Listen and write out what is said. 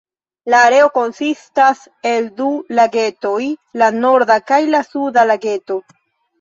La areo konsistas el du lagetoj, la "Norda" kaj la "Suda" Lageto.